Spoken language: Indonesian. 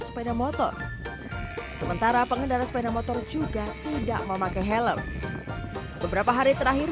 sepeda motor sementara pengendara sepeda motor juga tidak memakai helm beberapa hari terakhir